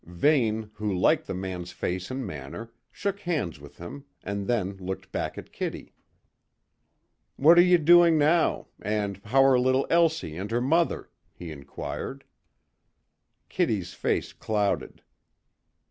Vane, who liked the man's face and manner, shook hands with him, and then looked back at Kitty. "What are you doing now, and how are little Elsie and her mother?" he inquired. Kitty's face clouded.